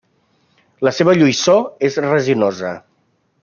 La seva lluïssor és resinosa.